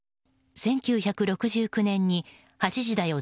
１９６９年に「８時だョ！